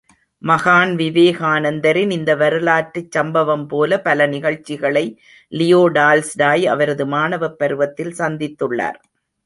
மகான் விவேகானந்தரின் இந்த வரலாற்றுச்சம்பவம் போல, பல நிகழ்ச்சிகளை லியோ டால்ஸ்டாய் அவரது மாணவப் பருவத்தில் சந்தித்துள்ளார்.